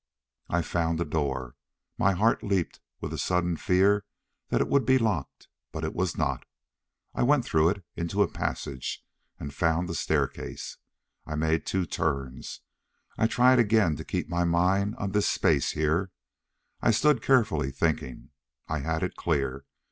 I found a door. My heart leaped with a sudden fear that it would be locked, but it was not. I went through it into a passage and found the staircase. I made two turns. I tried again to keep my mind on this Space here. I stood, carefully thinking. I had it clear.